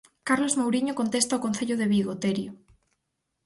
Carlos Mouriño contesta ao Concello de Vigo, Terio.